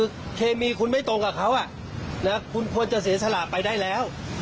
คือเคมีคุณไม่ตรงกับเขาคุณควรจะเสียสละไปได้แล้ว